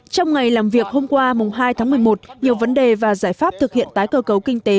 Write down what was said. trong ngày làm việc hôm qua hai tháng một mươi một nhiều vấn đề và giải pháp thực hiện tái cơ cấu kinh tế